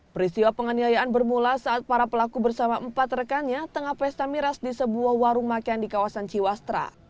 peristiwa penganiayaan bermula saat para pelaku bersama empat rekannya tengah pesta miras di sebuah warung makan di kawasan ciwastra